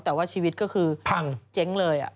แต่ว่าชีวิตก็คือพังเจ๊งเลย